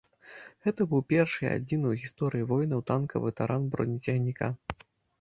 Гэта быў першы і адзіны ў гісторыі войнаў танкавы таран бронецягніка.